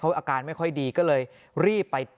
อาการไม่ค่อยดีก็เลยรีบไป